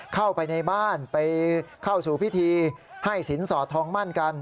เข้าไปในบ้านไปเข้าสู่พิธีให้สินสอดทองมั่นกัน